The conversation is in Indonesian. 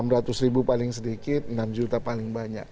enam ratus ribu paling sedikit enam juta paling banyak